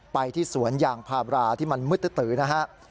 ไปที่สวนยางพาบราที่มันมืดตื้อนะฮะ